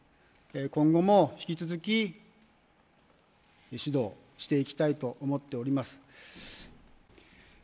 今後も引き続き指導していきたいと思っております。